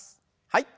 はい。